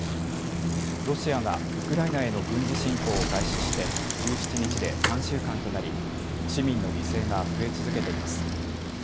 ロシアがウクライナへの軍事侵攻を開始して１７日で３週間となり市民の犠牲が増え続けています。